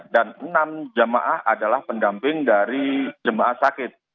dan enam jemaah adalah pendamping dari jemaah sakit